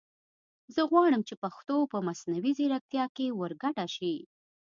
زه غواړم چې پښتو په مصنوعي زیرکتیا کې ور ګډه شي